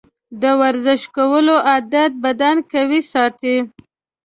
د ورزش کولو عادت بدن قوي ساتي.